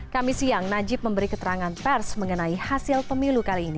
kami siang najib memberi keterangan pers mengenai hasil pemilu kali ini